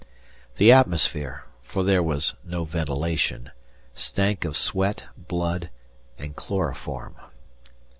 The atmosphere for there was no ventilation stank of sweat, blood, and chloroform.